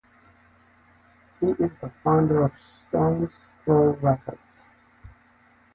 He is the founder of Stones Throw Records.